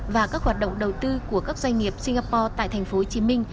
và các hoạt động đầu tư của các doanh nghiệp singapore tại tp hcm